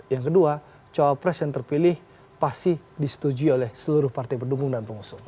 yang kedua cowok pres yang terpilih pasti disetujui oleh seluruh partai pendukung dan pengusung